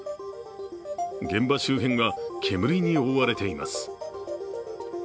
現場周辺が煙に覆われています。